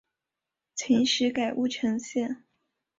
秦时改称乌程县。